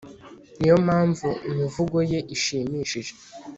niyo mpamvu imivugo ye ishimishije